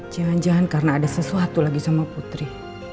jangan jangan karena ada sesuatu lagi sama putri